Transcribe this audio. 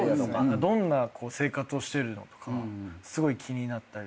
どんな生活をしてるのとかすごい気になったりとか。